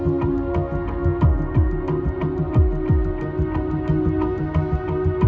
ไอบายหมดนี้พี่ไม่รู้แม่อยู่กันมั้ย